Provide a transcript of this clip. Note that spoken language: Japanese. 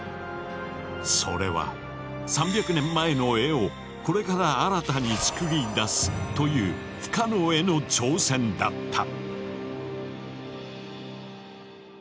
それは「３００年前の絵をこれから新たに創り出す」という不可能への挑戦だった。